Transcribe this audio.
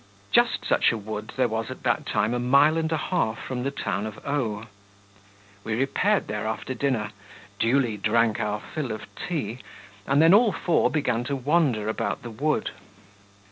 Just such a wood there was at that time a mile and a half from the town of O . We repaired there after dinner, duly drank our fill of tea, and then all four began to wander about the wood.